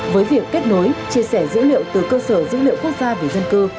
với việc kết nối chia sẻ dữ liệu từ cơ sở dữ liệu quốc gia về dân cư